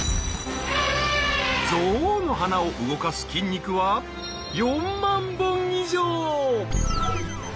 ゾウの鼻を動かす筋肉は４万本以上！